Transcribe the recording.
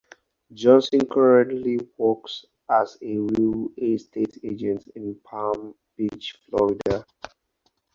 Johnson currently works as a real estate agent in Palm Beach, Florida.